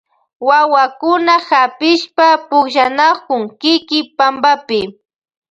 Wawakuna hapishpa pukllanakun kiki pampapi.